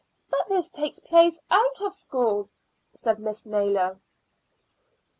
"But this takes place out of school," said Mrs. Naylor.